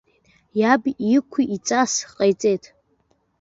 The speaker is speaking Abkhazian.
Иаб иқә-иҵас ҟаиҵеит.